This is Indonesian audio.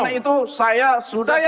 oleh karena itu saya sudah cukup